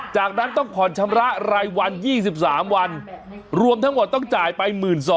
จากนั้นต้องผ่อนชำระรายวัน๒๓วันรวมทั้งหมดต้องจ่ายไป๑๒๐๐